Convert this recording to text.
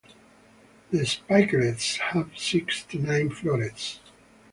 The spikelets have six to nine florets.